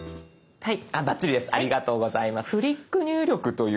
はい。